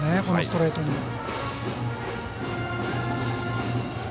このストレートに。